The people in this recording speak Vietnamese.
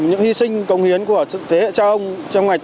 những hy sinh công hiến của thế hệ cha ông